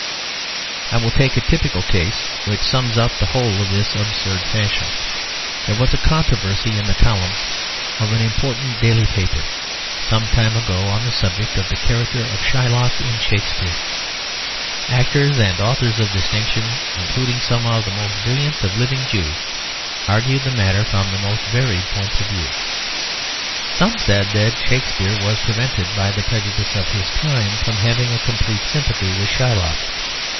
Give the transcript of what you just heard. I will take a typical case, which sums up the whole of this absurd fashion. There was a controversy in the columns of an important daily paper, some time ago, on the subject of the character of Shylock in Shakespeare. Actors and authors of distinction, including some of the most brilliant of living Jews, argued the matter from the most varied points of view. Some said that Shakespeare was prevented by the prejudices of his time from having a complete sympathy with Shylock.